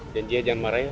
janji ya jangan marah ya